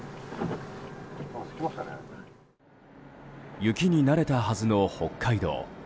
雪に慣れたはずの北海道。